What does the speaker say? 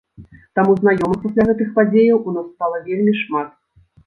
Таму знаёмых пасля гэтых падзеяў у нас стала вельмі шмат.